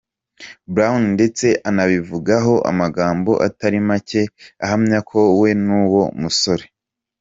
Brown ndetse anabivugaho amagambo atari make ahamya ko we nuwo musore.